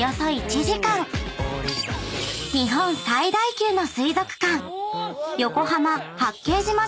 ［日本最大級の水族館］